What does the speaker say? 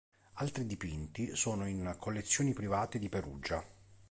Altri dipinti sono in collezioni private di Perugia.